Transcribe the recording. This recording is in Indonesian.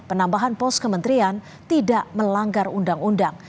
penambahan pos kementerian tidak melanggar undang undang